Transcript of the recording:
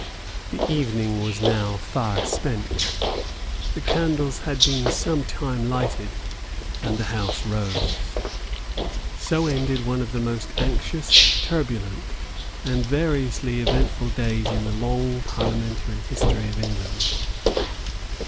The evening was now far spent. The candles had been some time lighted; and the House rose. So ended one of the most anxious, turbulent, and variously eventful days in the long Parliamentary History of England.